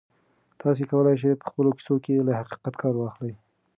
تاسي کولای شئ په خپلو کیسو کې له حقیقت کار واخلئ.